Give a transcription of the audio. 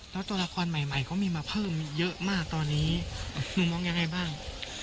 แล้วตัวละครใหม่เขามีมาเพิ่มเยอะมากตอนนี้หนูมองยังไงบ้าง